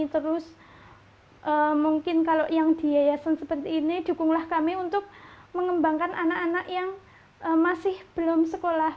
terus mungkin kalau yang di yayasan seperti ini dukunglah kami untuk mengembangkan anak anak yang masih belum sekolah